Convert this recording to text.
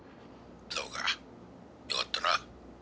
そうかよかったな。